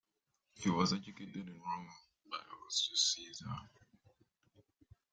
He was educated in Rome by Augustus Caesar.